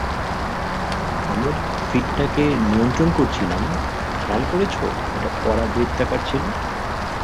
আমরা যখন ফিডটাকে নিয়ন্ত্রণ করছিলাম, খেয়াল করেছ এটা পরাবৃত্তাকার ছিল?